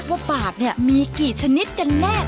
ว่าปากเนี่ยมีกี่ชนิดกันแน่